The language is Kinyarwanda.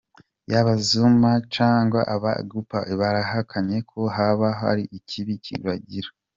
Yaba Zuma canke aba Gupta barahakanye ko hoba hari ikibi kibagira.